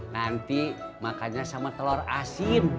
nanti makannya sama telur asin